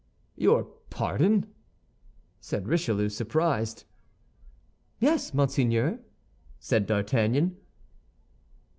"Your pardon?" said Richelieu, surprised. "Yes, monseigneur," said D'Artagnan.